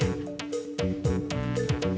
allah allah allah